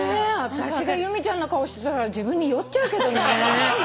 私が由美ちゃんの顔してたら自分に酔っちゃうけどね。